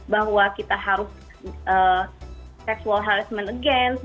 bahwa kita harus sexual harassment against